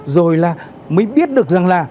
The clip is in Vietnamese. rồi là mới biết được rằng là